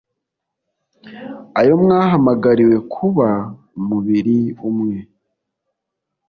ayo mwahamagariwe kuba umubiri umwe